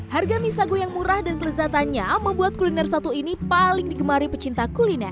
harga mie sagu yang murah dan kelezatannya membuat kuliner satu ini paling digemari pecinta kuliner